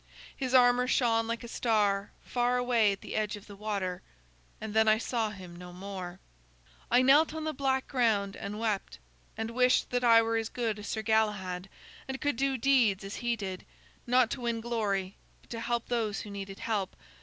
His armor shone like a star, far away at the edge of the water. And then I saw him no more. [Illustration: "And across it slowly moved the Holy Grail"] "I knelt on the black ground and wept, and wished that I were as good as Sir Galahad, and could do deeds as he did, not to win glory, but to help those who needed help.